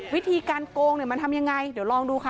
วิธีการโกงเนี่ยมันทำยังไงเดี๋ยวลองดูค่ะ